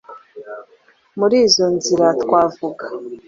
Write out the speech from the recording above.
Muri izo nzira twavuga: